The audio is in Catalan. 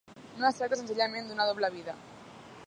No es tracta senzillament d'una doble vida.